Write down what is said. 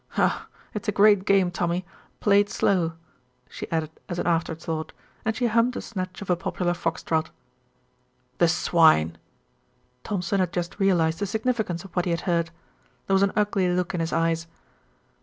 Oh! it's a great game, Tommy, played slow," she added as an after thought, and she hummed a snatch of a popular fox trot. "The swine!" Thompson had just realised the significance of what he had heard. There was an ugly look in his eyes.